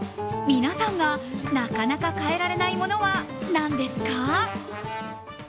皆さんがなかなか替えられない物は何ですか？